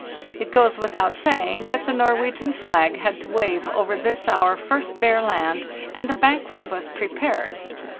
7). It goes without saying that the Norwegian flag had to wave over this our first bare land, and a banquet was prepared.